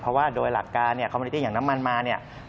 เพราะว่าโดยหลักการคอมโมนิตี้อย่างน้ำมันมา